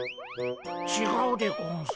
ちがうでゴンスか。